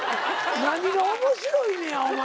何が面白いねやお前。